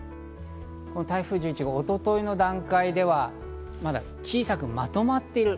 台風１１号、一昨日の段階ではまだ小さくまとまっている。